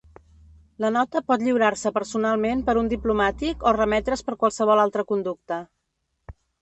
La nota pot lliurar-se personalment per un diplomàtic o remetre's per qualsevol altre conducte.